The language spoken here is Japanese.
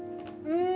うん！